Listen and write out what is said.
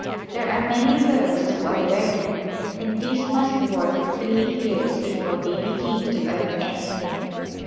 There are many girls who are learning and these must work three years before they begin to earn anything.